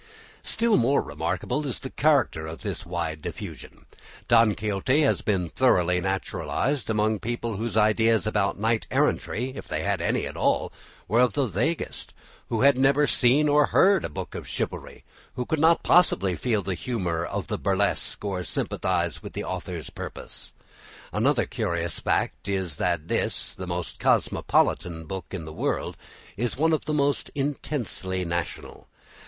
Still more remarkable is the character of this wide diffusion. "Don Quixote" has been thoroughly naturalised among people whose ideas about knight errantry, if they had any at all, were of the vaguest, who had never seen or heard of a book of chivalry, who could not possibly feel the humour of the burlesque or sympathise with the author's purpose. Another curious fact is that this, the most cosmopolitan book in the world, is one of the most intensely national.